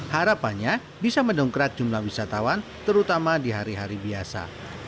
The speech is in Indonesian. harapannya bisa mendongkrak jumlah wisatawan terutama di hari hari biasa